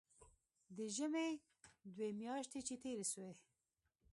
د ژمي دوې مياشتې چې تېرې سوې.